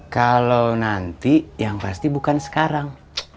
kalau nanti yang pasti bukan sekarang